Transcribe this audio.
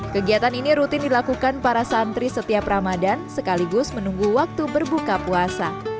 kegiatan ini rutin dilakukan para santri setiap ramadan sekaligus menunggu waktu berbuka puasa